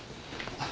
あっ。